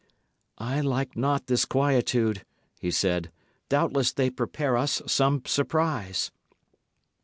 "I like not this quietude," he said. "Doubtless they prepare us some surprise."